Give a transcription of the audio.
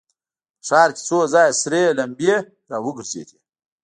په ښار کې څو ځایه سرې لمبې را وګرځېدې.